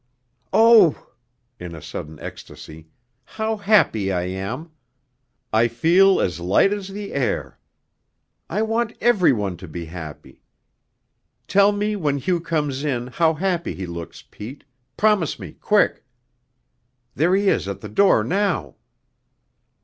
Oh" in a sudden ecstasy "how happy I am! I feel as light as the air. I want every one to be happy. Tell me when Hugh comes in how happy he looks, Pete promise me, quick! There he is at the door now."